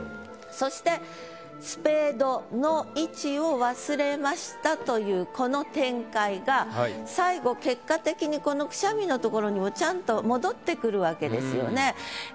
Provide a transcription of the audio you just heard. そしてスペードの位置を忘れましたというこの展開が最後結果的にこの「嚔」のところにもちゃんと戻ってくるわけですよね。